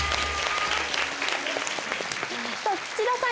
土田さん